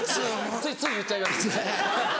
ついつい言っちゃいました。